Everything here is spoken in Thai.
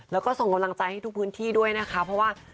แล้วก็ส่งกำลังใจให้ทุกพื้นที่ด้วยนะคะเพราะว่า